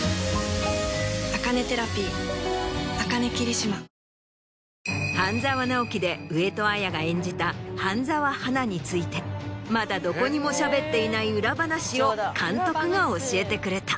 東芝『半沢直樹』で上戸彩が演じた半沢花についてまだどこにもしゃべっていない裏話を監督が教えてくれた。